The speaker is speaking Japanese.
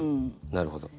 なるほど。